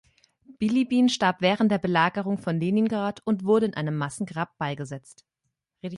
Bilibin starb während der Belagerung von Leningrad und wurde in einem Massengrab beigesetzt.